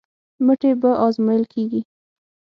مټې به ازمویل کېږي.